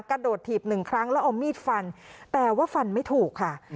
กระโดดถีบหนึ่งครั้งแล้วเอามีดฟันแต่ว่าฟันไม่ถูกค่ะ